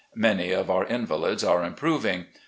Many of our invalids are improving.